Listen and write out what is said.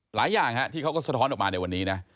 หลายอย่างที่เขาก็สะท้อนออกมาในวันนี้นะ